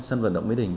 sân vận động mỹ đình